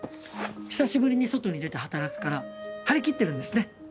久しぶりに外に出て働くから張り切ってるんですね。